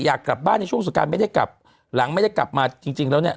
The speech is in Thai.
อยากกลับบ้านในช่วงสงการไม่ได้กลับหลังไม่ได้กลับมาจริงจริงแล้วเนี่ย